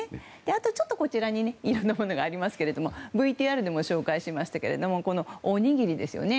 あと、ちょっとこちらにいろんなものがありますがＶＴＲでも紹介しましたけれどもおにぎりですね。